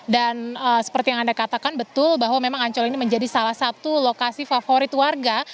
dan seperti yang anda katakan betul bahwa memang ancol ini menjadi salah satu lokasi favorit warga